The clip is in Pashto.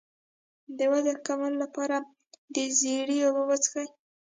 د وزن د کمولو لپاره د زیرې اوبه وڅښئ